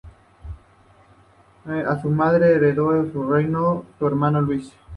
A su muerte heredó su reino su hermano Luis.